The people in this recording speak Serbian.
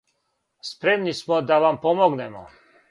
Спремни смо да вам помогнемо.